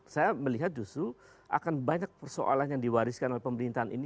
saya melihat justru akan banyak persoalan yang diwariskan oleh pemerintahan ini